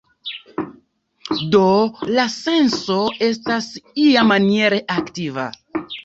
Do la senso estas iamaniere aktiva.